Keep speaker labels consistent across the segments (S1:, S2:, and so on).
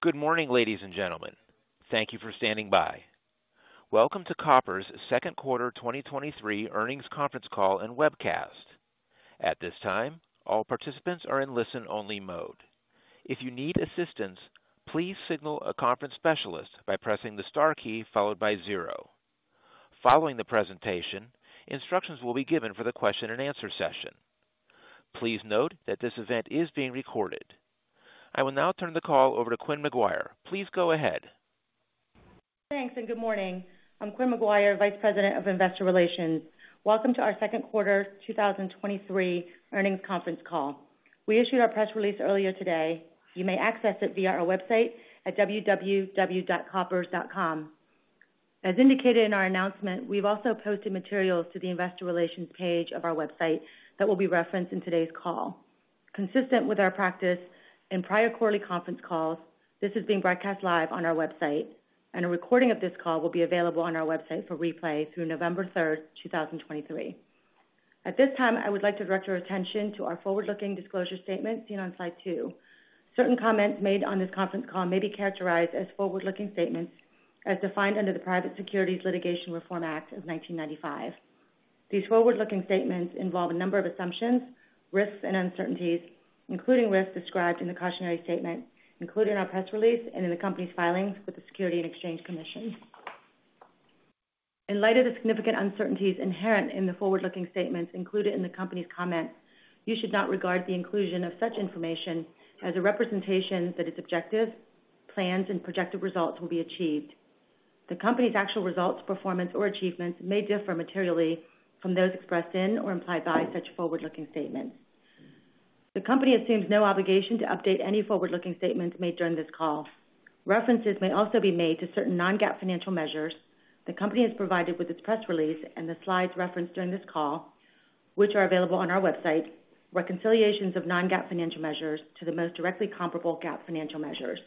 S1: Good morning, ladies and gentlemen. Thank you for standing by. Welcome to Koppers' second quarter 2023 earnings conference call and webcast. At this time, all participants are in listen-only mode. If you need assistance, please signal a conference specialist by pressing the star key followed by zero. Following the presentation, instructions will be given for the question-and-answer session. Please note that this event is being recorded. I will now turn the call over to Quynh McGuire. Please go ahead.
S2: Thanks. Good morning. I'm Quynh McGuire, Vice President of Investor Relations. Welcome to our second quarter 2023 earnings conference call. We issued our press release earlier today. You may access it via our website at www.koppers.com. As indicated in our announcement, we've also posted materials to the investor relations page of our website that will be referenced in today's call. Consistent with our practice in prior quarterly conference calls, this is being broadcast live on our website, and a recording of this call will be available on our website for replay through November 3, 2023. At this time, I would like to direct your attention to our forward-looking disclosure statement seen on slide two. Certain comments made on this conference call may be characterized as forward-looking statements as defined under the Private Securities Litigation Reform Act of 1995. These forward-looking statements involve a number of assumptions, risks, and uncertainties, including risks described in the cautionary statement included in our press release and in the company's filings with the Securities and Exchange Commission. In light of the significant uncertainties inherent in the forward-looking statements included in the company's comments, you should not regard the inclusion of such information as a representation that its objective, plans, and projected results will be achieved. The company's actual results, performance, or achievements may differ materially from those expressed in or implied by such forward-looking statements. The company assumes no obligation to update any forward-looking statements made during this call. References may also be made to certain non-GAAP financial measures the company has provided with its press release and the slides referenced during this call, which are available on our website, reconciliations of non-GAAP financial measures to the most directly comparable GAAP financial measures.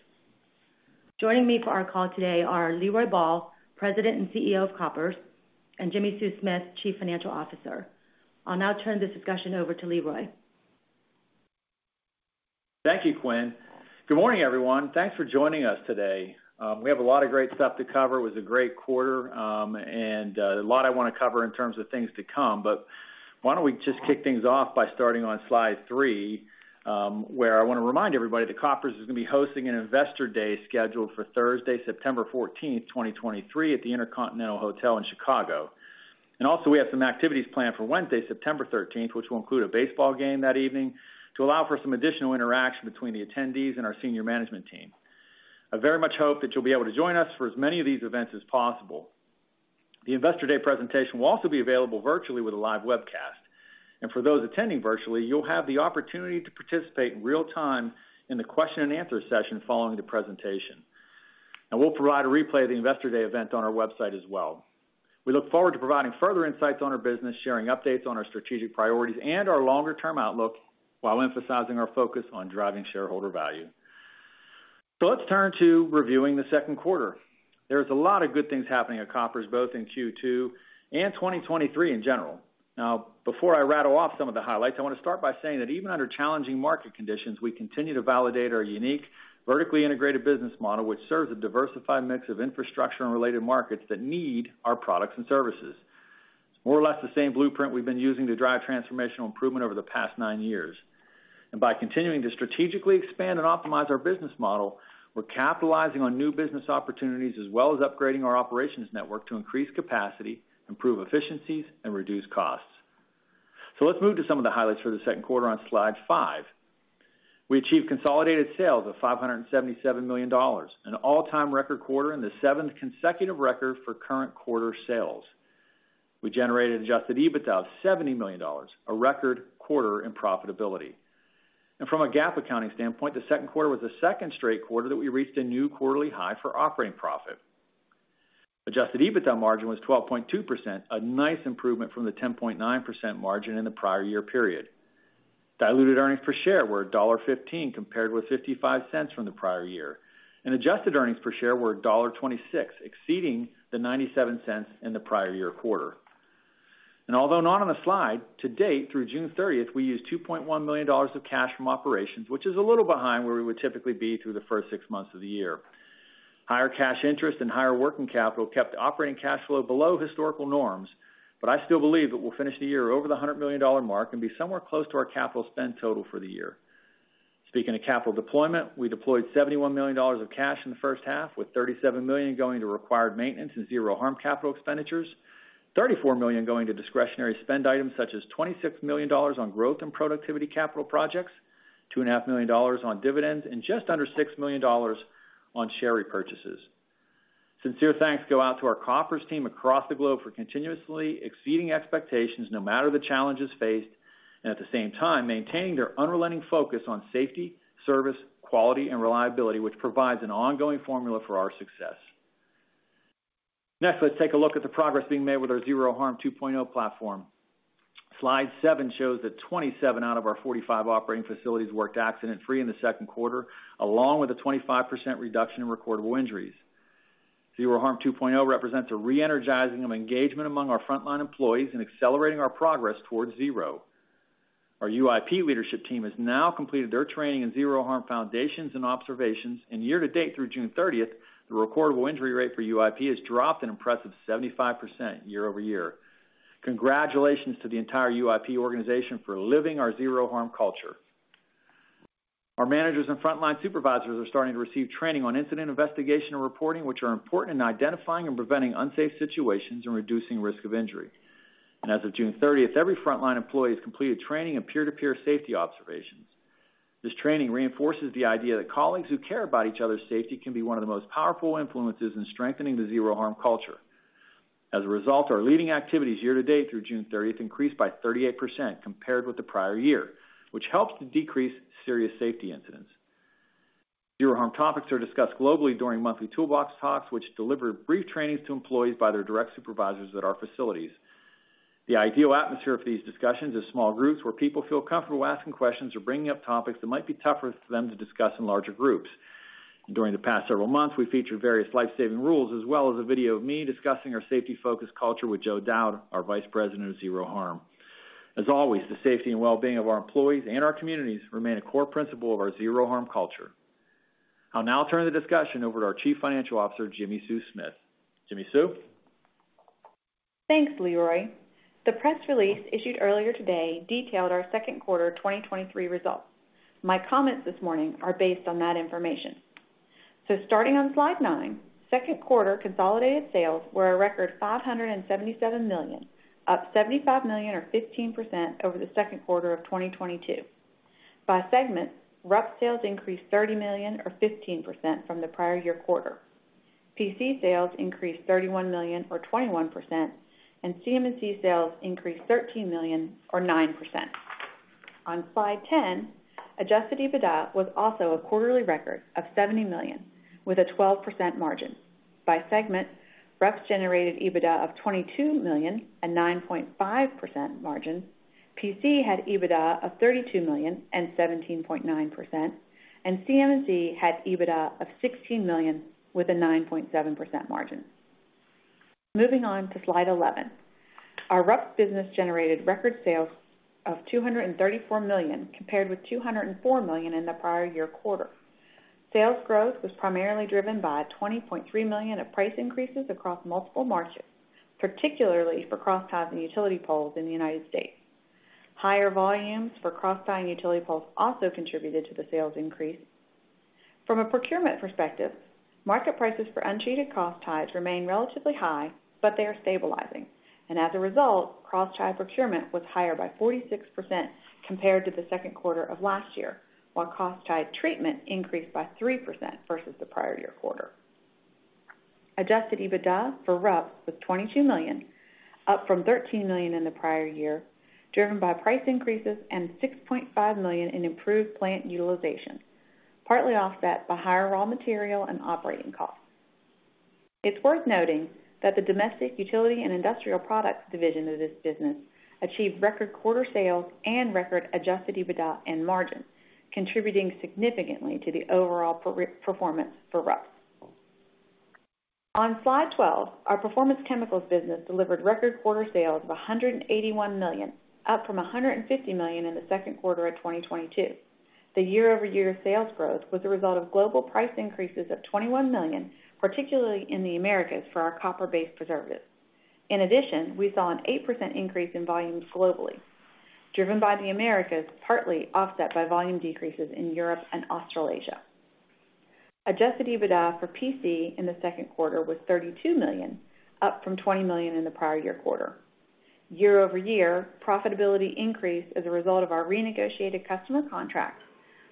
S2: Joining me for our call today are Leroy Ball, President and CEO of Koppers, and Jimmi Sue Smith, Chief Financial Officer. I'll now turn this discussion over to Leroy.
S3: Thank you, Quynh. Good morning, everyone. Thanks for joining us today. We have a lot of great stuff to cover. It was a great quarter, and a lot I want to cover in terms of things to come. Why don't we just kick things off by starting on slide three, where I want to remind everybody that Koppers is going to be hosting an Investor Day scheduled for Thursday, September 14, 2023, at the Intercontinental Hotel in Chicago. Also, we have some activities planned for Wednesday, September 13, which will include a baseball game that evening to allow for some additional interaction between the attendees and our senior management team. I very much hope that you'll be able to join us for as many of these events as possible. The Investor Day presentation will also be available virtually with a live webcast. For those attending virtually, you'll have the opportunity to participate in real time in the question-and-answer session following the presentation. We'll provide a replay of the Investor Day event on our website as well. We look forward to providing further insights on our business, sharing updates on our strategic priorities and our longer-term outlook, while emphasizing our focus on driving shareholder value. Let's turn to reviewing the second quarter. There's a lot of good things happening at Koppers, both in Q2 and 2023 in general. Now, before I rattle off some of the highlights, I want to start by saying that even under challenging market conditions, we continue to validate our unique, vertically integrated business model, which serves a diversified mix of infrastructure and related markets that need our products and services. It's more or less the same blueprint we've been using to drive transformational improvement over the past nine years. By continuing to strategically expand and optimize our business model, we're capitalizing on new business opportunities, as well as upgrading our operations network to increase capacity, improve efficiencies, and reduce costs. Let's move to some of the highlights for the second quarter on slide five. We achieved consolidated sales of $577 million, an all-time record quarter and the seventh consecutive record for current quarter sales. We generated adjusted EBITDA of $70 million, a record quarter in profitability. From a GAAP accounting standpoint, the second quarter was the second straight quarter that we reached a new quarterly high for operating profit. Adjusted EBITDA margin was 12.2%, a nice improvement from the 10.9% margin in the prior year period. Diluted earnings per share were $1.15, compared with $0.55 from the prior year, adjusted earnings per share were $1.26, exceeding the $0.97 in the prior year quarter. Although not on a slide, to date, through June 30th, we used $2.1 million of cash from operations, which is a little behind where we would typically be through the first six months of the year. Higher cash interest and higher working capital kept operating cash flow below historical norms, I still believe that we'll finish the year over the $100 million mark and be somewhere close to our capital spend total for the year. Speaking of capital deployment, we deployed $71 million of cash in the first half, with $37 million going to required maintenance and Zero Harm capital expenditures, $34 million going to discretionary spend items, such as $26 million on growth and productivity capital projects, $2.5 million on dividends, and just under $6 million on share repurchases. Sincere thanks go out to our Koppers team across the globe for continuously exceeding expectations, no matter the challenges faced, and at the same time, maintaining their unrelenting focus on safety, service, quality, and reliability, which provides an ongoing formula for our success. Next, let's take a look at the progress being made with our Zero Harm 2.0 platform. Slide seven shows that 27 out of our 45 operating facilities worked accident-free in the second quarter, along with a 25% reduction in recordable injuries. Zero Harm 2.0 represents a re-energizing of engagement among our frontline employees in accelerating our progress towards zero. Our UIP leadership team has now completed their training in Zero Harm foundations and observations, year-to-date, through June 30th, the recordable injury rate for UIP has dropped an impressive 75% year-over-year. Congratulations to the entire UIP organization for living our Zero Harm culture! Our managers and frontline supervisors are starting to receive training on incident investigation and reporting, which are important in identifying and preventing unsafe situations and reducing risk of injury. As of June 30th, every frontline employee has completed training and peer-to-peer safety observations. This training reinforces the idea that colleagues who care about each other's safety can be one of the most powerful influences in strengthening the Zero Harm culture. As a result, our leading activities year-to-date, through June 30th, increased by 38% compared with the prior year, which helped to decrease serious safety incidents. Zero Harm topics are discussed globally during monthly toolbox talks, which deliver brief trainings to employees by their direct supervisors at our facilities. The ideal atmosphere for these discussions is small groups, where people feel comfortable asking questions or bringing up topics that might be tougher for them to discuss in larger groups. During the past several months, we featured various life-saving rules, as well as a video of me discussing our safety-focused culture with Joe Dowd, our Vice President of Zero Harm. As always, the safety and well-being of our employees and our communities remain a core principle of our Zero Harm culture. I'll now turn the discussion over to our Chief Financial Officer, Jimmi Sue Smith. Jimmy Sue?
S4: Thanks, Leroy. The press release issued earlier today detailed our second quarter 2023 results. My comments this morning are based on that information. Starting on slide nine, second quarter consolidated sales were a record $577 million, up $75 million, or 15% over the second quarter of 2022. By segment, RUPS sales increased $30 million, or 15% from the prior year quarter. PC sales increased $31 million, or 21%, and CMC sales increased $13 million, or 9%. On slide 10, adjusted EBITDA was also a quarterly record of $70 million, with a 12% margin. By segment, RUPS generated EBITDA of $22 million and 9.5% margin. PC had EBITDA of $32 million and 17.9%, and CMC had EBITDA of $16 million with a 9.7% margin. Moving on to slide 11. Our RUPS business generated record sales of $234 million, compared with $204 million in the prior year quarter. Sales growth was primarily driven by $20.3 million of price increases across multiple markets, particularly for crossties and utility poles in the United States. Higher volumes for crossties and utility poles also contributed to the sales increase. From a procurement perspective, market prices for untreated crossties remain relatively high, but they are stabilizing, and as a result, crosstie procurement was higher by 46% compared to the second quarter of last year, while crosstie treatment increased by 3% versus the prior year quarter. Adjusted EBITDA for RUPS was $22 million, up from $13 million in the prior year, driven by price increases and $6.5 million in improved plant utilization, partly offset by higher raw material and operating costs. It's worth noting that the Domestic Utility and Industrial Products division of this business achieved record quarter sales and record adjusted EBITDA and margins, contributing significantly to the overall performance for RUPS. On slide 12, our Performance Chemicals business delivered record quarter sales of $181 million, up from $150 million in the second quarter of 2022. The year-over-year sales growth was a result of global price increases of $21 million, particularly in the Americas, for our copper-based preservatives. In addition, we saw an 8% increase in volumes globally, driven by the Americas, partly offset by volume decreases in Europe and Australasia. Adjusted EBITDA for PC in the second quarter was $32 million, up from $20 million in the prior year quarter. Year-over-year, profitability increased as a result of our renegotiated customer contracts,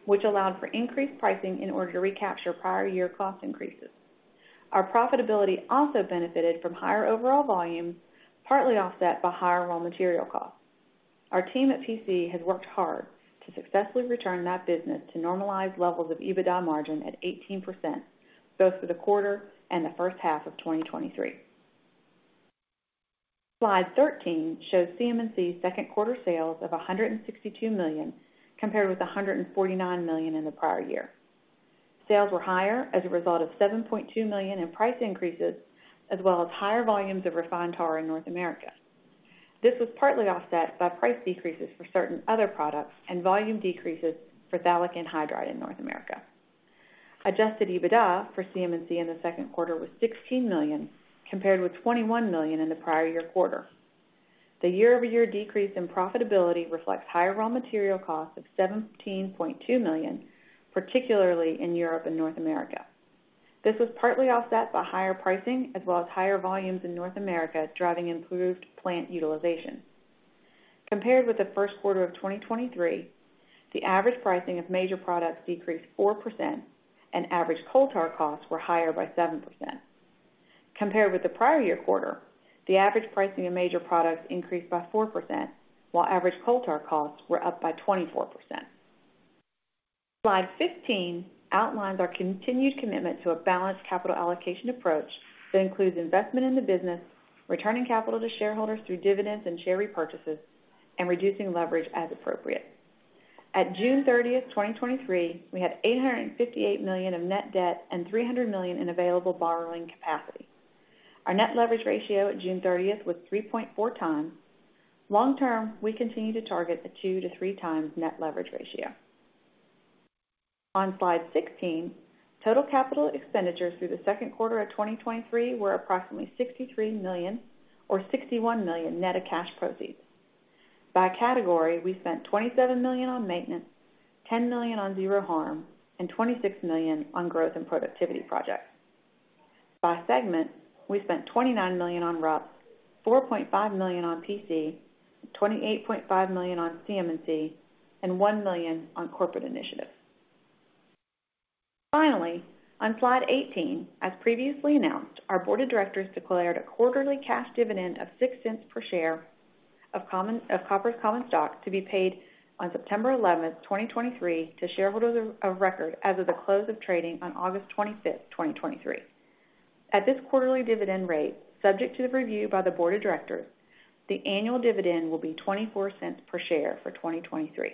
S4: which allowed for increased pricing in order to recapture prior year cost increases. Our profitability also benefited from higher overall volumes, partly offset by higher raw material costs. Our team at PC has worked hard to successfully return that business to normalized levels of EBITDA margin at 18%, both for the quarter and the first half of 2023. Slide 13 shows CMC's second quarter sales of $162 million, compared with $149 million in the prior year. Sales were higher as a result of $7.2 million in price increases, as well as higher volumes of refined tar in North America. This was partly offset by price decreases for certain other products and volume decreases for phthalic anhydride in North America. Adjusted EBITDA for CMC in the second quarter was $16 million, compared with $21 million in the prior year quarter. The year-over-year decrease in profitability reflects higher raw material costs of $17.2 million, particularly in Europe and North America. This was partly offset by higher pricing, as well as higher volumes in North America, driving improved plant utilization. Compared with the first quarter of 2023, the average pricing of major products decreased 4%, and average coal tar costs were higher by 7%. Compared with the prior year quarter, the average pricing of major products increased by 4%, while average coal tar costs were up by 24%. Slide 15 outlines our continued commitment to a balanced capital allocation approach that includes investment in the business, returning capital to shareholders through dividends and share repurchases, and reducing leverage as appropriate. At June 30, 2023, we had $858 million of net debt and $300 million in available borrowing capacity. Our net leverage ratio at June 30th was 3.4 times. Long term, we continue to target a two to three times net leverage ratio. On Slide 16, total capital expenditures through the second quarter of 2023 were approximately $63 million or $61 million net of cash proceeds. By category, we spent $27 million on maintenance, $10 million on Zero Harm, and $26 million on growth and productivity projects. By segment, we spent $29 million on RUPS, $4.5 million on PC, $28.5 million on CMC, and $1 million on corporate initiatives. Finally, on Slide 18, as previously announced, our board of directors declared a quarterly cash dividend of $0.06 per share of Koppers common stock to be paid on September 11, 2023, to shareholders of record as of the close of trading on August 25, 2023. At this quarterly dividend rate, subject to the review by the board of directors, the annual dividend will be $0.24 per share for 2023.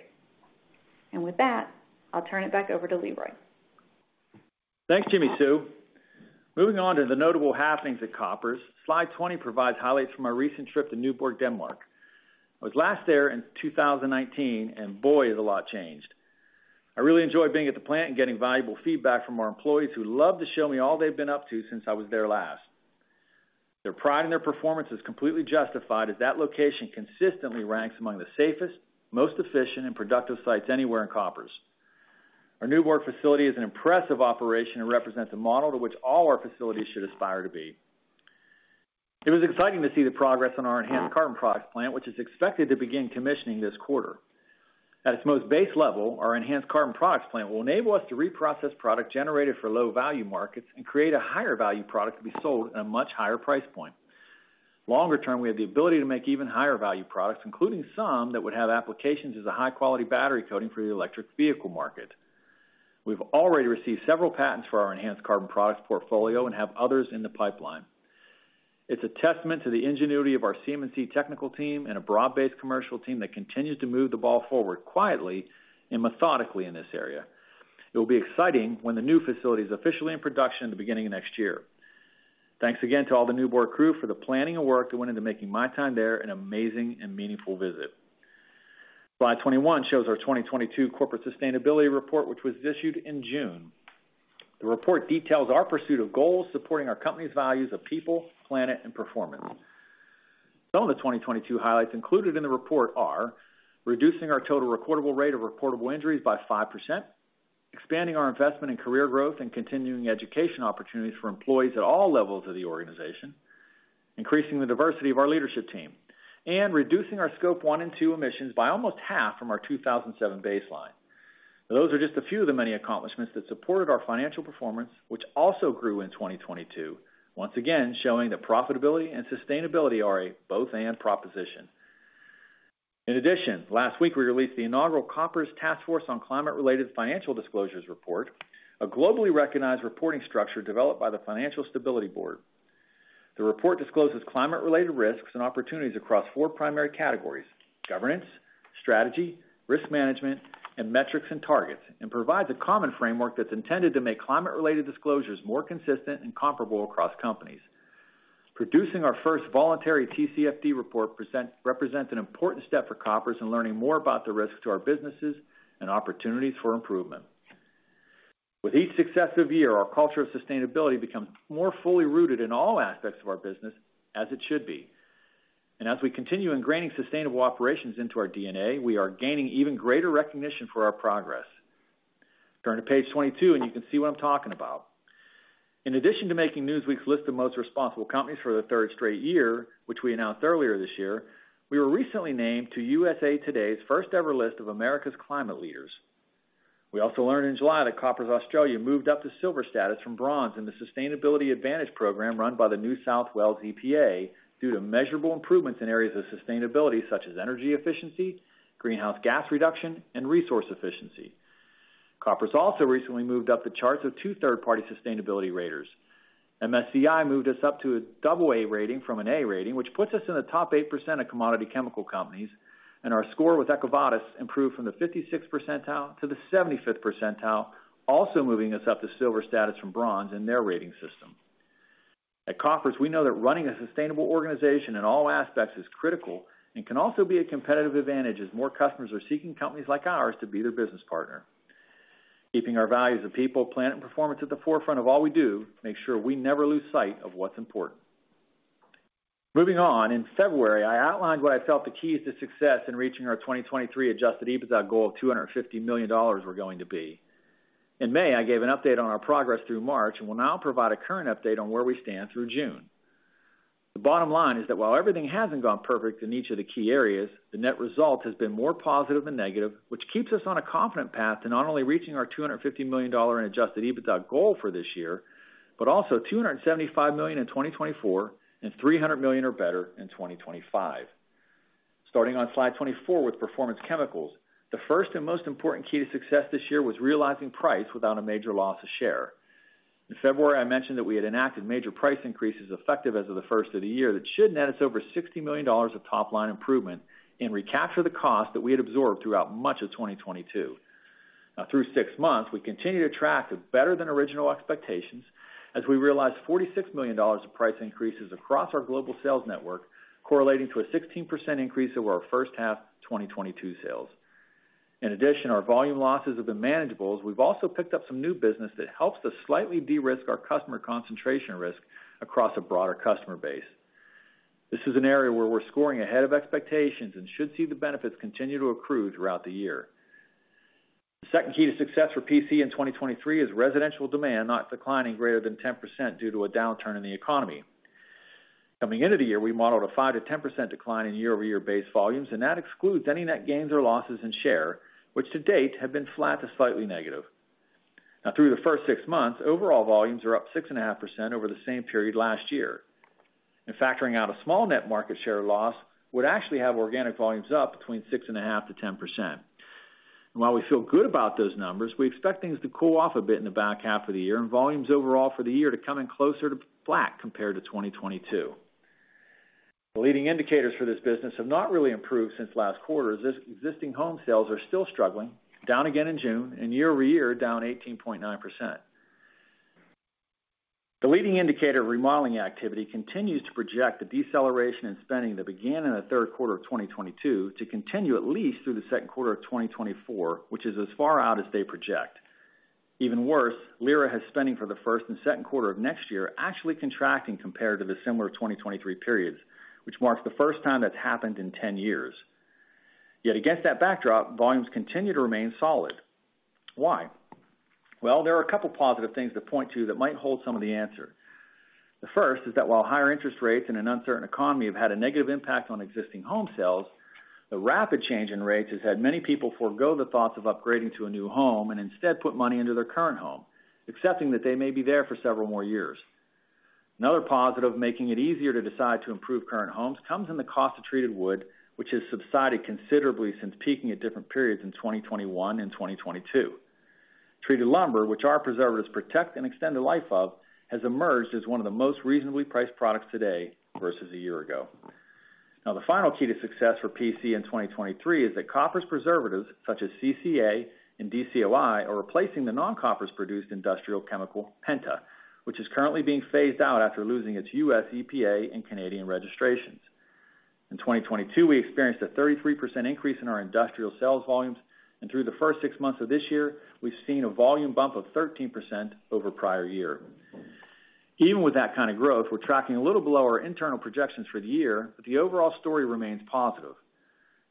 S4: With that, I'll turn it back over to Leroy.
S3: Thanks, Jimmi Sue. Moving on to the notable happenings at Koppers. Slide 20 provides highlights from our recent trip to Nyborg, Denmark. I was last there in 2019, and boy, has a lot changed. I really enjoyed being at the plant and getting valuable feedback from our employees, who loved to show me all they've been up to since I was there last. Their pride in their performance is completely justified, as that location consistently ranks among the safest, most efficient, and productive sites anywhere in Koppers. Our Nyborg facility is an impressive operation and represents a model to which all our facilities should aspire to be. It was exciting to see the progress on our enhanced carbon products plant, which is expected to begin commissioning this quarter. At its most base level, our enhanced carbon products plant will enable us to reprocess product generated for low-value markets and create a higher-value product to be sold at a much higher price point. Longer term, we have the ability to make even higher-value products, including some that would have applications as a high-quality battery coating for the electric vehicle market. We've already received several patents for our enhanced carbon products portfolio and have others in the pipeline. It's a testament to the ingenuity of our CMC technical team and a broad-based commercial team that continues to move the ball forward quietly and methodically in this area. It will be exciting when the new facility is officially in production at the beginning of next year. Thanks again to all the Nyborg crew for the planning and work that went into making my time there an amazing and meaningful visit. Slide 21 shows our 2022 corporate sustainability report, which was issued in June. The report details our pursuit of goals supporting our company's values of people, planet, and performance. Some of the 2022 highlights included in the report are: reducing our total recordable rate of reportable injuries by 5%, expanding our investment in career growth and continuing education opportunities for employees at all levels of the organization, increasing the diversity of our leadership team, and reducing our Scope 1 and 2 emissions by almost 50% from our 2007 baseline. Those are just a few of the many accomplishments that supported our financial performance, which also grew in 2022. Once again, showing that profitability and sustainability are a both/and proposition. In addition, last week, we released the inaugural Koppers Task Force on Climate-related Financial Disclosures Report, a globally recognized reporting structure developed by the Financial Stability Board. The report discloses climate-related risks and opportunities across four primary categories: governance, strategy, risk management, and metrics and targets, and provides a common framework that's intended to make climate-related disclosures more consistent and comparable across companies. Producing our first voluntary TCFD report represents an important step for Koppers in learning more about the risks to our businesses and opportunities for improvement. With each successive year, our culture of sustainability becomes more fully rooted in all aspects of our business, as it should be. As we continue ingraining sustainable operations into our DNA, we are gaining even greater recognition for our progress. Turn to page 22, and you can see what I'm talking about. In addition to making Newsweek's list of America's Most Responsible Companies for the third straight year, which we announced earlier this year, we were recently named to USA Today's first-ever list of America's Climate Leaders. We also learned in July that Koppers Australia moved up to silver status from bronze in the Sustainability Advantage Program run by the New South Wales EPA, due to measurable improvements in areas of sustainability such as energy efficiency, greenhouse gas reduction, and resource efficiency. Koppers also recently moved up the charts of two third-party sustainability raters. MSCI moved us up to a double A rating from an A rating, which puts us in the top 8% of commodity chemical companies. Our score with EcoVadis improved from the 56th percentile to the 75th percentile, also moving us up to silver status from bronze in their rating system. At Koppers, we know that running a sustainable organization in all aspects is critical and can also be a competitive advantage as more customers are seeking companies like ours to be their business partner. Keeping our values of people, planet, and performance at the forefront of all we do, makes sure we never lose sight of what's important. Moving on, in February, I outlined what I felt the keys to success in reaching our 2023 adjusted EBITDA goal of $250 million were going to be. In May, I gave an update on our progress through March, and will now provide a current update on where we stand through June. The bottom line is that while everything hasn't gone perfect in each of the key areas, the net result has been more positive than negative, which keeps us on a confident path to not only reaching our $250 million in adjusted EBITDA goal for this year, but also $275 million in 2024, and $300 million or better in 2025. Starting on Slide 24, with Performance Chemicals, the first and most important key to success this year was realizing price without a major loss of share. In February, I mentioned that we had enacted major price increases effective as of the first of the year, that should net us over $60 million of top line improvement and recapture the cost that we had absorbed throughout much of 2022. Now, through six months, we continue to track with better than original expectations, as we realized $46 million of price increases across our global sales network, correlating to a 16% increase over our first half 2022 sales. In addition, our volume losses have been manageable, as we've also picked up some new business that helps to slightly de-risk our customer concentration risk across a broader customer base. This is an area where we're scoring ahead of expectations and should see the benefits continue to accrue throughout the year. The second key to success for PC in 2023 is residential demand, not declining greater than 10% due to a downturn in the economy. Coming into the year, we modeled a 5%-10% decline in year-over-year base volumes, and that excludes any net gains or losses in share, which to date, have been flat to slightly negative. Now, through the first six months, overall volumes are up 6.5% over the same period last year, and factoring out a small net market share loss, would actually have organic volumes up between 6.5%-10%. While we feel good about those numbers, we expect things to cool off a bit in the back half of the year, and volumes overall for the year to come in closer to flat compared to 2022. The leading indicators for this business have not really improved since last quarter. Existing home sales are still struggling, down again in June, and year-over-year, down 18.9%. The Leading Indicator of Remodeling Activity continues to project the deceleration in spending that began in the 3rd quarter of 2022 to continue at least through the 2nd quarter of 2024, which is as far out as they project. Even worse, LIRA has spending for the 1st and 2nd quarter of next year, actually contracting compared to the similar 2023 periods, which marks the 1st time that's happened in 10 years. Against that backdrop, volumes continue to remain solid. Why? Well, there are a couple positive things to point to that might hold some of the answer. The first is that while higher interest rates and an uncertain economy have had a negative impact on existing home sales, the rapid change in rates has had many people forego the thoughts of upgrading to a new home, and instead put money into their current home, accepting that they may be there for several more years. Another positive, making it easier to decide to improve current homes, comes in the cost of treated wood, which has subsided considerably since peaking at different periods in 2021 and 2022. Treated lumber, which our preservatives protect and extend the life of, has emerged as one of the most reasonably priced products today versus a year ago. The final key to success for PC in 2023 is that Koppers preservatives, such as CCA and DCOI, are replacing the non-Koppers-produced industrial chemical penta, which is currently being phased out after losing its U.S. EPA and Canadian registrations. In 2022, we experienced a 33% increase in our industrial sales volumes, and through the first six months of this year, we've seen a volume bump of 13% over prior year. Even with that kind of growth, we're tracking a little below our internal projections for the year, but the overall story remains positive.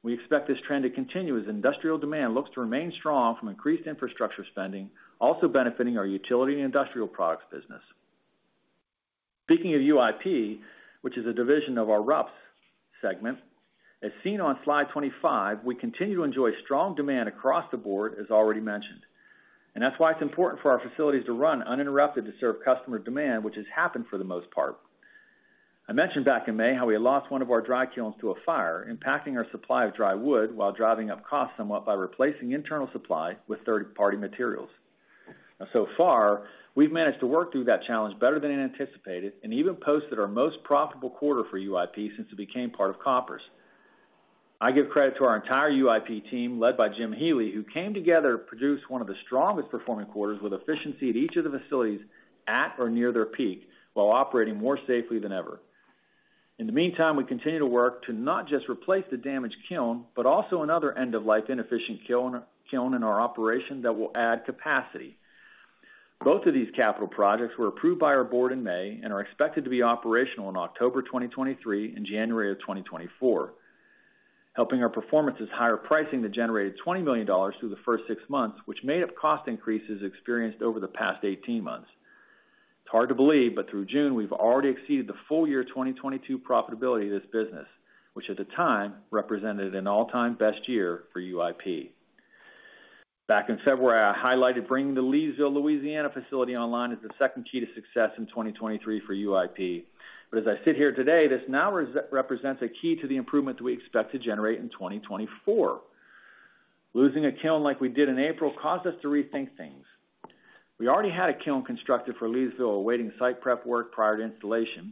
S3: We expect this trend to continue as industrial demand looks to remain strong from increased infrastructure spending, also benefiting our Utility and Industrial Products business. Speaking of UIP, which is a division of our RUPS segment, as seen on slide 25, we continue to enjoy strong demand across the board, as already mentioned, that's why it's important for our facilities to run uninterrupted to serve customer demand, which has happened for the most part. I mentioned back in May how we had lost one of our dry kilns to a fire, impacting our supply of dry wood while driving up costs somewhat by replacing internal supply with third-party materials. So far, we've managed to work through that challenge better than anticipated and even posted our most profitable quarter for UIP since it became part of Koppers. I give credit to our entire UIP team, led by Jim Healey, who came together to produce one of the strongest performing quarters with efficiency at each of the facilities, at or near their peak, while operating more safely than ever. In the meantime, we continue to work to not just replace the damaged kiln, but also another end-of-life, inefficient kiln in our operation that will add capacity. Both of these capital projects were approved by our board in May and are expected to be operational in October 2023 and January of 2024, helping our performance's higher pricing that generated $20 million through the first six months, which made up cost increases experienced over the past 18 months. It's hard to believe, through June, we've already exceeded the full year 2022 profitability of this business, which at the time represented an all-time best year for UIP. Back in February, I highlighted bringing the Leesville, Louisiana facility online as the second key to success in 2023 for UIP. As I sit here today, this now represents a key to the improvement that we expect to generate in 2024. Losing a kiln like we did in April, caused us to rethink things. We already had a kiln constructed for Leesville, awaiting site prep work prior to installation,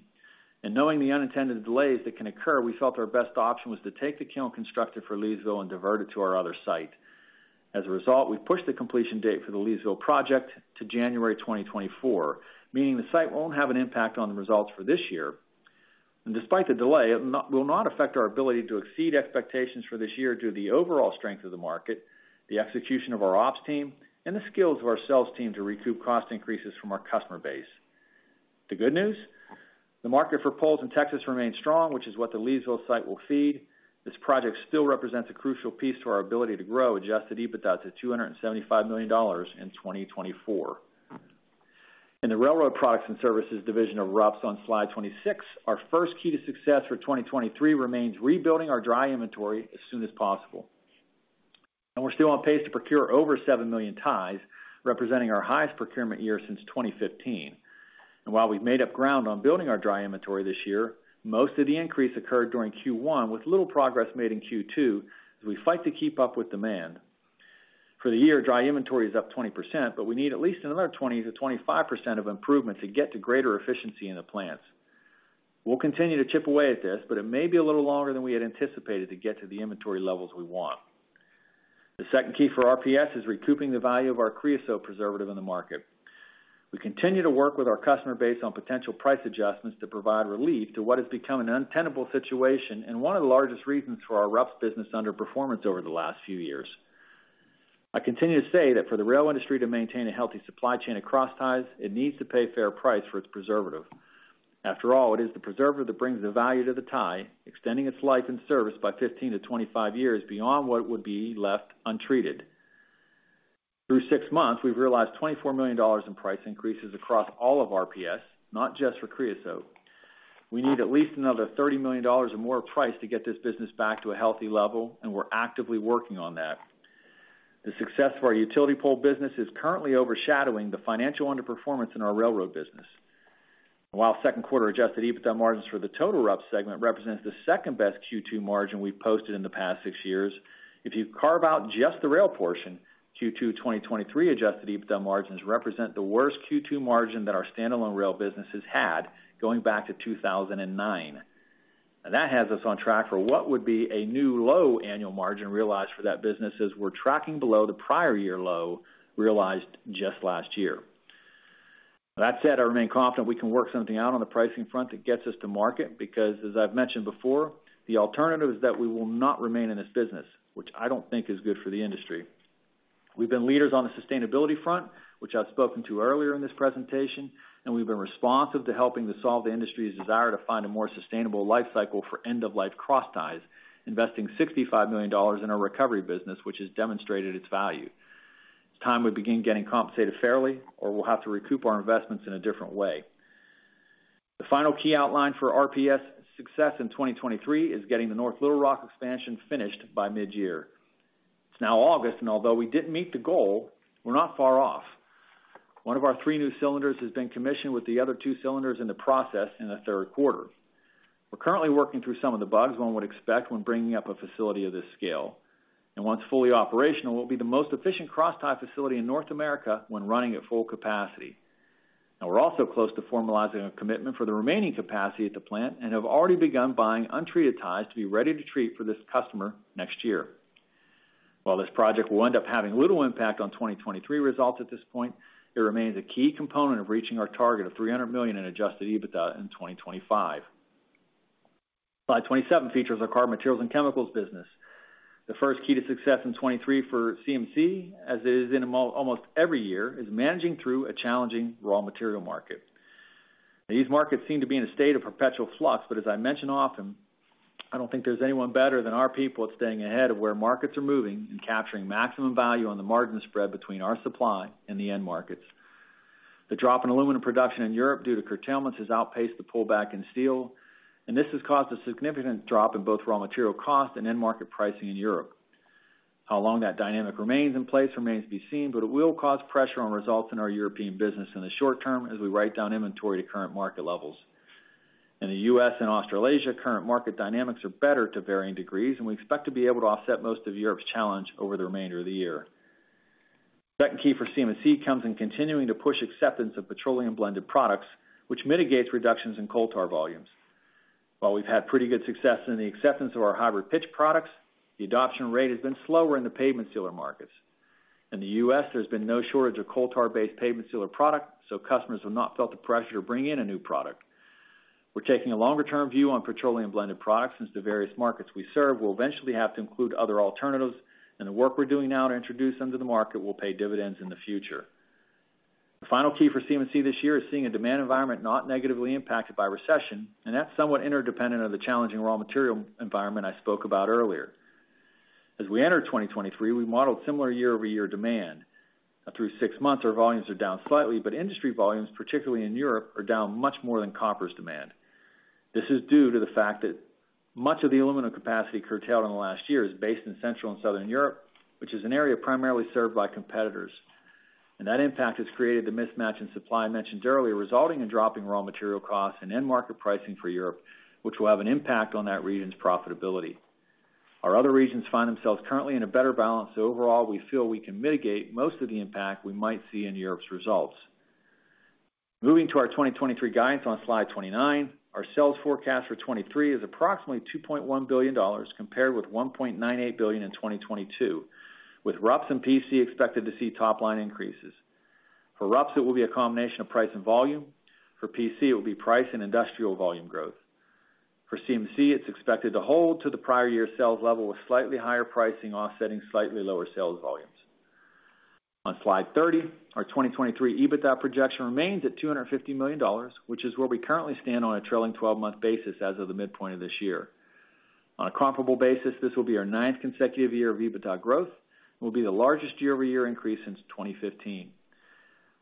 S3: and knowing the unintended delays that can occur, we felt our best option was to take the kiln constructed for Leesville and divert it to our other site. As a result, we've pushed the completion date for the Leesville project to January 2024, meaning the site won't have an impact on the results for this year. Despite the delay, it will not affect our ability to exceed expectations for this year due to the overall strength of the market, the execution of our ops team, and the skills of our sales team to recoup cost increases from our customer base. The good news, the market for poles in Texas remains strong, which is what the Leesville site will feed. This project still represents a crucial piece to our ability to grow adjusted EBITDA to $275 million in 2024. In the railroad products and services division of RUPS on slide 26, our first key to success for 2023 remains rebuilding our dry inventory as soon as possible. We're still on pace to procure over 7 million ties, representing our highest procurement year since 2015. While we've made up ground on building our dry inventory this year, most of the increase occurred during Q1, with little progress made in Q2, as we fight to keep up with demand. For the year, dry inventory is up 20%, but we need at least another 20%-25% of improvement to get to greater efficiency in the plants. We'll continue to chip away at this, but it may be a little longer than we had anticipated to get to the inventory levels we want. The second key for RPS is recouping the value of our creosote preservative in the market. We continue to work with our customer base on potential price adjustments to provide relief to what has become an untenable situation and one of the largest reasons for our rough business underperformance over the last few years. I continue to say that for the rail industry to maintain a healthy supply chain across crossties, it needs to pay a fair price for its preservative. After all, it is the preservative that brings the value to the tie, extending its life and service by 15-25 years beyond what would be left untreated. Through six months, we've realized $24 million in price increases across all of RPS, not just for creosote. We need at least another $30 million or more of price to get this business back to a healthy level, and we're actively working on that. The success for our utility pole business is currently overshadowing the financial underperformance in our railroad business. While second quarter adjusted EBITDA margins for the total RUPS segment represents the second-best Q2 margin we've posted in the past six years, if you carve out just the rail portion, Q2 2023 adjusted EBITDA margins represent the worst Q2 margin that our standalone rail businesses had, going back to 2009. That has us on track for what would be a new low annual margin realized for that business, as we're tracking below the prior year low, realized just last year. That said, I remain confident we can work something out on the pricing front that gets us to market, because, as I've mentioned before, the alternative is that we will not remain in this business, which I don't think is good for the industry. We've been leaders on the sustainability front, which I've spoken to earlier in this presentation, and we've been responsive to helping to solve the industry's desire to find a more sustainable life cycle for end-of-life crossties, investing $65 million in our recovery business, which has demonstrated its value. It's time we begin getting compensated fairly, or we'll have to recoup our investments in a different way. The final key outline for RPS success in 2023 is getting the North Little Rock expansion finished by mid-year. It's now August, and although we didn't meet the goal, we're not far off. One of our three new cylinders has been commissioned with the other two cylinders in the process in the third quarter. We're currently working through some of the bugs one would expect when bringing up a facility of this scale, and once fully operational, will be the most efficient crosstie facility in North America when running at full capacity. We're also close to formalizing a commitment for the remaining capacity at the plant and have already begun buying untreated crossties to be ready to treat for this customer next year. While this project will end up having little impact on 2023 results at this point, it remains a key component of reaching our target of $300 million in adjusted EBITDA in 2025. Slide 27 features our Carbon Materials & Chemicals business. The first key to success in 2023 for CMC, as it is in almost every year, is managing through a challenging raw material market. These markets seem to be in a state of perpetual flux, but as I mention often, I don't think there's anyone better than our people at staying ahead of where markets are moving and capturing maximum value on the margin spread between our supply and the end markets. The drop in aluminum production in Europe due to curtailments, has outpaced the pullback in steel, and this has caused a significant drop in both raw material costs and end market pricing in Europe. How long that dynamic remains in place remains to be seen, but it will cause pressure on results in our European business in the short term as we write down inventory to current market levels. In the U.S. and Australasia, current market dynamics are better to varying degrees, and we expect to be able to offset most of Europe's challenge over the remainder of the year. Second key for CMC comes in continuing to push acceptance of petroleum blended products, which mitigates reductions in coal tar volumes. While we've had pretty good success in the acceptance of our hybrid pitch products, the adoption rate has been slower in the pavement sealer markets. In the U.S., there's been no shortage of coal tar-based pavement sealer products, so customers have not felt the pressure to bring in a new product. We're taking a longer-term view on petroleum blended products, since the various markets we serve will eventually have to include other alternatives, and the work we're doing now to introduce them to the market will pay dividends in the future. The final key for CMC this year is seeing a demand environment not negatively impacted by recession, and that's somewhat interdependent on the challenging raw material environment I spoke about earlier. As we enter 2023, we modeled similar year-over-year demand. Through six months, our volumes are down slightly, but industry volumes, particularly in Europe, are down much more than Koppers' demand. This is due to the fact that much of the aluminum capacity curtailed in the last year is based in Central and Southern Europe, which is an area primarily served by competitors. That impact has created the mismatch in supply I mentioned earlier, resulting in dropping raw material costs and end market pricing for Europe, which will have an impact on that region's profitability. Our other regions find themselves currently in a better balance, overall, we feel we can mitigate most of the impact we might see in Europe's results. Moving to our 2023 guidance on slide 29, our sales forecast for 2023 is approximately $2.1 billion, compared with $1.98 billion in 2022, with RUPS and PC expected to see top-line increases. For RUPS, it will be a combination of price and volume. For PC, it will be price and industrial volume growth. For CMC, it's expected to hold to the prior year sales level, with slightly higher pricing offsetting slightly lower sales volumes. On slide 30, our 2023 EBITDA projection remains at $250 million, which is where we currently stand on a trailing 12-month basis as of the midpoint of this year. On a comparable basis, this will be our ninth consecutive year of EBITDA growth, and will be the largest year-over-year increase since 2015.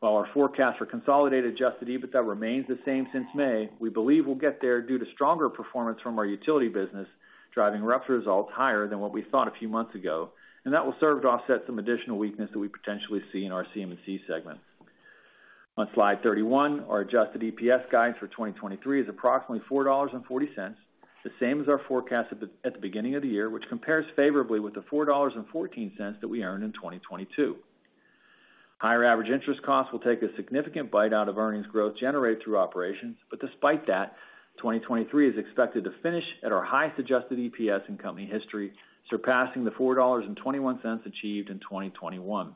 S3: While our forecast for consolidated adjusted EBITDA remains the same since May, we believe we'll get there due to stronger performance from our utility business, driving rough results higher than what we thought a few months ago, and that will serve to offset some additional weakness that we potentially see in our CMC segment. On Slide 31, our adjusted EPS guidance for 2023 is approximately $4.40, the same as our forecast at the beginning of the year, which compares favorably with the $4.14 that we earned in 2022. Higher average interest costs will take a significant bite out of earnings growth generated through operations, despite that, 2023 is expected to finish at our highest adjusted EPS in company history, surpassing the $4.21 achieved in 2021.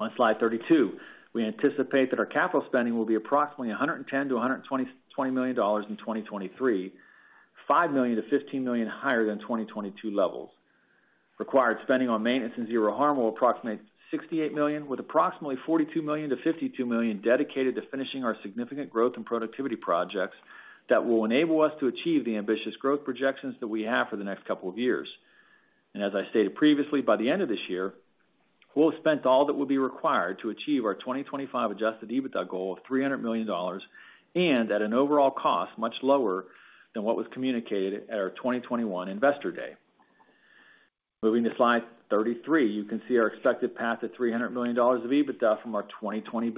S3: On Slide 32, we anticipate that our capital spending will be approximately $110 million-$120 million in 2023, $5 million-$15 million higher than 2022 levels. Required spending on maintenance and Zero Harm will approximate $68 million, with approximately $42 million-$52 million dedicated to finishing our significant growth and productivity projects that will enable us to achieve the ambitious growth projections that we have for the next couple of years. As I stated previously, by the end of this year, we'll have spent all that will be required to achieve our 2025 adjusted EBITDA goal of $300 million, and at an overall cost much lower than what was communicated at our 2021 Investor Day. Moving to Slide 33, you can see our expected path to $300 million of EBITDA from our 2020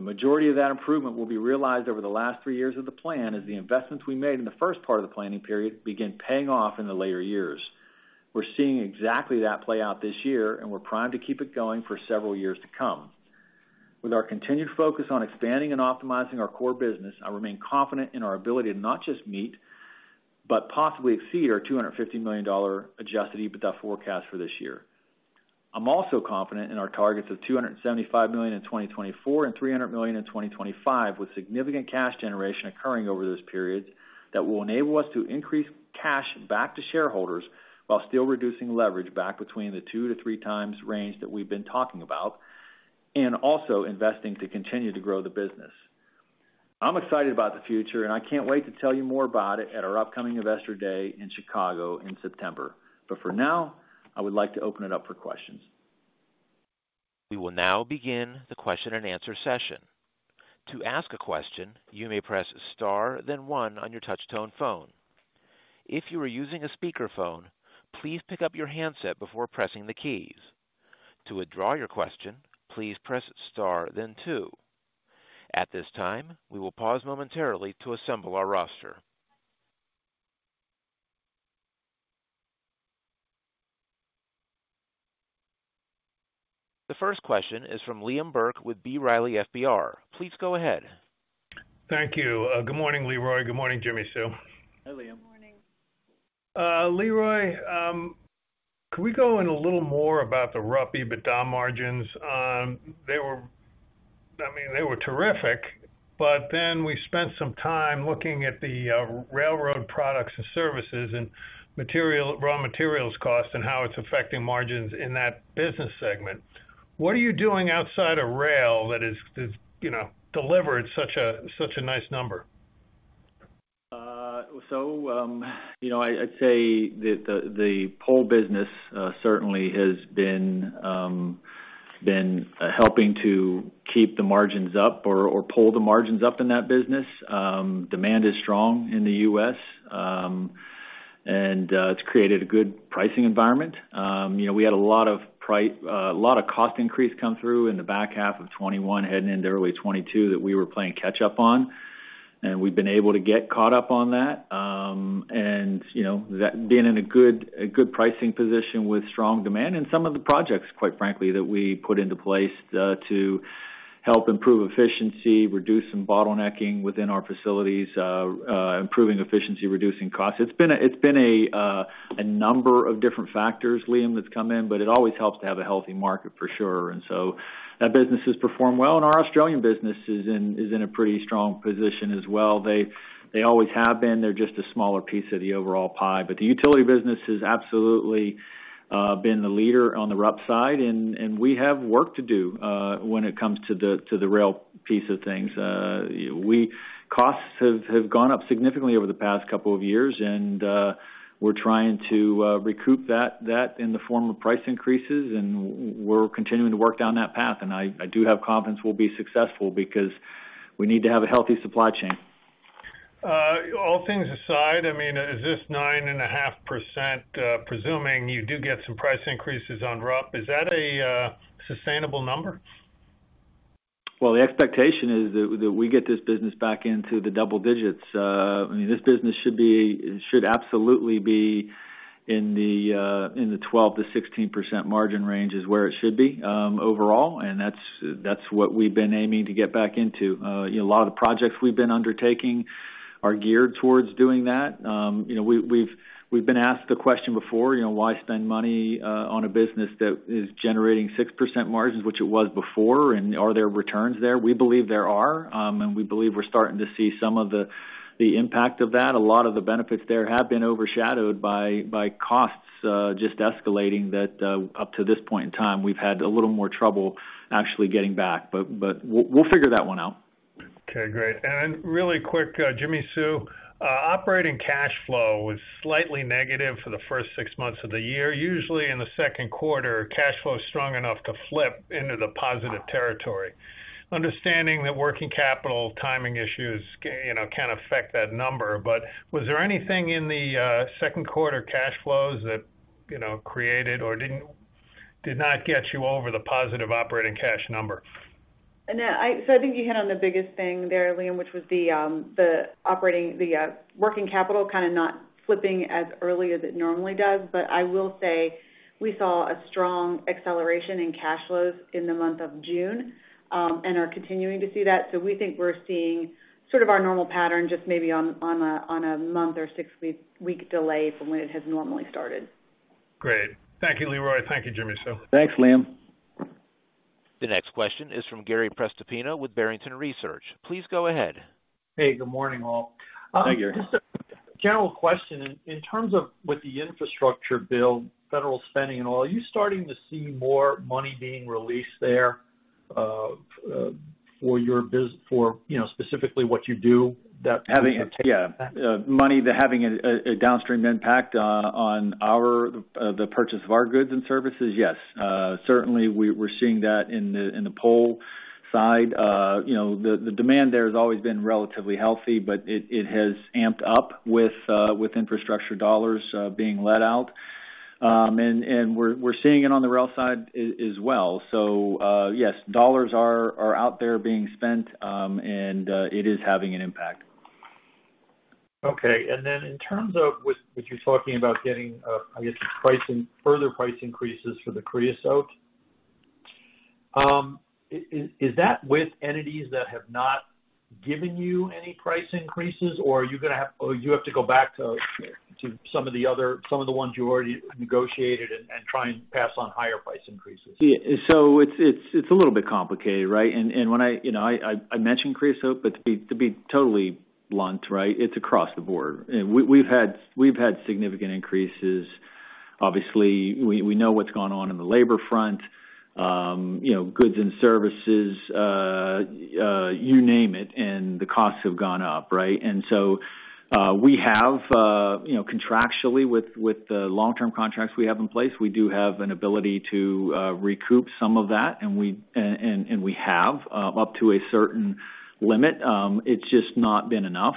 S3: base. The majority of that improvement will be realized over the last three years of the plan, as the investments we made in the first part of the planning period begin paying off in the later years. We're seeing exactly that play out this year, and we're primed to keep it going for several years to come. With our continued focus on expanding and optimizing our core business, I remain confident in our ability to not just meet, but possibly exceed our $250 million adjusted EBITDA forecast for this year. I'm also confident in our targets of $275 million in 2024 and $300 million in 2025, with significant cash generation occurring over those periods that will enable us to increase cash back to shareholders while still reducing leverage back between the two to three times range that we've been talking about, and also investing to continue to grow the business. I'm excited about the future, and I can't wait to tell you more about it at our upcoming Investor Day in Chicago in September. For now, I would like to open it up for questions.
S1: We will now begin the question-and-answer session. To ask a question, you may press star, then one on your touchtone phone. If you are using a speakerphone, please pick up your handset before pressing the keys. To withdraw your question, please press star then two. At this time, we will pause momentarily to assemble our roster. The first question is from Liam Burke with B. Riley FBR. Please go ahead.
S5: Thank you. Good morning, Leroy. Good morning, Jimmi Sue.
S3: Hi, Liam.
S4: Good morning.
S5: Leroy, can we go in a little more about the RUPS EBITDA margins? They were-- I mean, they were terrific, but then we spent some time looking at the railroad products and services and material-- raw materials costs and how it's affecting margins in that business segment. What are you doing outside of rail that is, is, you know, delivered such a, such a nice number?
S3: You know, I'd say that the pole business, certainly has been helping to keep the margins up or pull the margins up in that business. Demand is strong in the U.S., and it's created a good pricing environment. You know, we had a lot of cost increase come through in the back half of 2021, heading into early 2022, that we were playing catch up on, and we've been able to get caught up on that. You know, that being in a good, a good pricing position with strong demand in some of the projects, quite frankly, that we put into place, to help improve efficiency, reduce some bottlenecking within our facilities, improving efficiency, reducing costs. It's been a, it's been a number of different factors, Liam, that's come in. It always helps to have a healthy market for sure. That business has performed well. Our Australian business is in a pretty strong position as well. They always have been. They're just a smaller piece of the overall pie. The utility business has absolutely been the leader on the RUPS side. We have work to do when it comes to the rail piece of things. Costs have gone up significantly over the past couple of years. We're trying to recoup that in the form of price increases, and we're continuing to work down that path. I do have confidence we'll be successful because we need to have a healthy supply chain.
S5: All things aside, I mean, is this 9.5%, presuming you do get some price increases on RUPS, is that a, sustainable number?
S3: Well, the expectation is that, that we get this business back into the double digits. I mean, this business should be, should absolutely be in the 12%-16% margin range is where it should be, overall, and that's, that's what we've been aiming to get back into. You know, a lot of the projects we've been undertaking are geared towards doing that. You know, we, we've, we've been asked the question before, you know, why spend money, on a business that is generating 6% margins, which it was before, and are there returns there? We believe there are, and we believe we're starting to see some of the, the impact of that. A lot of the benefits there have been overshadowed by, by costs, just escalating that, up to this point in time, we've had a little more trouble actually getting back, but, but we'll, we'll figure that one out.
S5: Okay, great. Then really quick, Jimmi Sue, operating cash flow was slightly negative for the first six months of the year. Usually, in the second quarter, cash flow is strong enough to flip into the positive territory. Understanding that working capital timing issues, you know, can affect that number, but was there anything in the second quarter cash flows that, you know, created or didn't, did not get you over the positive operating cash number?
S4: I think you hit on the biggest thing there, Liam, which was the operating, the working capital kind of not flipping as early as it normally does. I will say, we saw a strong acceleration in cash flows in the month of June, and are continuing to see that. We think we're seeing sort of our normal pattern, just maybe on a month or six-week delay from when it has normally started.
S5: Great. Thank you, Leroy. Thank you, Jimmi Sue.
S3: Thanks, Liam.
S1: The next question is from Gary Prestopino with Barrington Research. Please go ahead.
S6: Hey, good morning, all.
S3: Hi, Gary.
S6: Just a general question. In, in terms of with the infrastructure bill, federal spending and all, are you starting to see more money being released there for, you know, specifically what you do, that?
S3: Having it, yeah, money having a, a downstream impact on our, the purchase of our goods and services? Yes. Certainly, we, we're seeing that in the, in the pole side. You know, the, the demand there has always been relatively healthy, but it, it has amped up with infrastructure dollars being let out. We're, we're seeing it on the rail side as, as well. Yes, dollars are, are out there being spent, and it is having an impact.
S6: Okay. Then in terms of with what you're talking about getting, I guess, pricing, further price increases for the creosote. Is that with entities that have not given you any price increases, or are you gonna have to go back to some of the ones you already negotiated and try and pass on higher price increases?
S3: Yeah. It's, it's a little bit complicated, right? When I... You know, I, I, I mentioned creosote, but to be, to be totally blunt, right, it's across the board. We, we've had, we've had significant increases. Obviously, we, we know what's going on in the labor front, you know, goods and services, you name it, and the costs have gone up, right? We have, you know, contractually, with, with the long-term contracts we have in place, we do have an ability to recoup some of that, and we, and, and, and we have, up to a certain limit. It's just not been enough.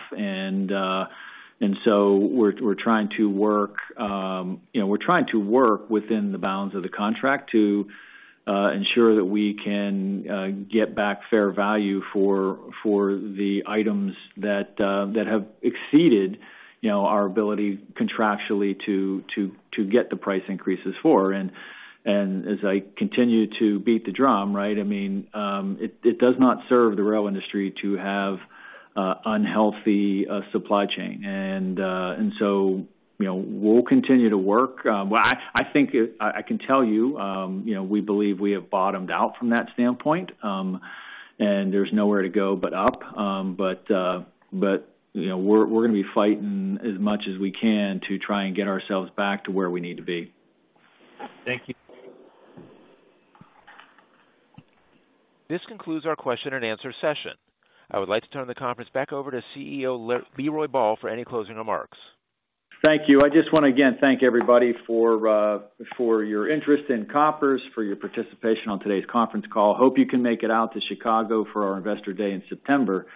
S3: We're, we're trying to work, you know, we're trying to work within the bounds of the contract to ensure that we can get back fair value for, for the items that have exceeded, you know, our ability contractually to, to, to get the price increases for. As I continue to beat the drum, right, I mean, it, it does not serve the rail industry to have a unhealthy supply chain. You know, we'll continue to work. Well, I, I think, I, I can tell you, you know, we believe we have bottomed out from that standpoint, and there's nowhere to go but up. But, you know, we're, we're gonna be fighting as much as we can to try and get ourselves back to where we need to be.
S6: Thank you.
S1: This concludes our question and answer session. I would like to turn the conference back over to CEO Leroy Ball for any closing remarks.
S3: Thank you. I just wanna, again, thank everybody for your interest in Koppers, for your participation on today's conference call. Hope you can make it out to Chicago for our Investor Day in September.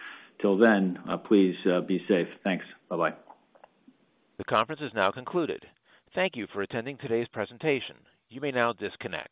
S3: Till then, please be safe. Thanks. Bye-bye.
S1: The conference is now concluded. Thank you for attending today's presentation. You may now disconnect.